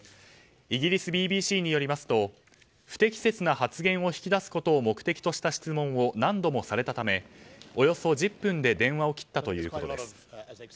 イギリスＢＢＣによりますと不適切な発言を引き出すことを目的とした質問を何度もされたためおよそ１０分で電話を切ったということです。